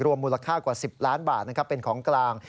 มูลค่ากว่า๑๐ล้านบาทเป็นของกลาง